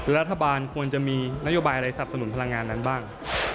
รัฐบาลควรจะมีนโยบายอะไรสับสนุนพลังงานนั้นบ้าง